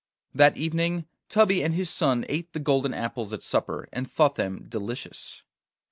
That evening Tubby and his son ate the golden apples at supper, and thought them delicious.